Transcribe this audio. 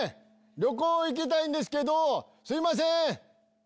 旅行行きたいんですけどすいません！